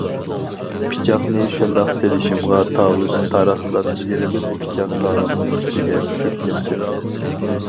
پىچاقنى شۇنداق سېلىشىمغا تاۋۇز تاراسلاپ يېرىلىپ، پىچاق تاۋۇزنىڭ ئىچىگە چۈشۈپ كەتتى.